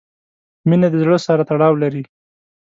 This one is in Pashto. • مینه د زړۀ سره تړاو لري.